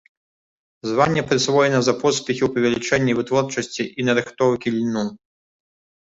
Званне прысвоена за поспехі ў павелічэнні вытворчасці і нарыхтоўкі льну.